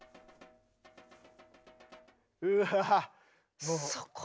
うわ！